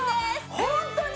ホントに！？